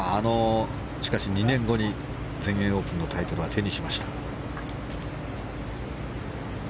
しかし、その２年後に全英オープンのタイトルは手にしました。